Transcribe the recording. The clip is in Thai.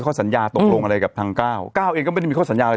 ข้อสัญญาตกลงอะไรกับทางก้าวเก้าเองก็ไม่ได้มีข้อสัญญาอะไร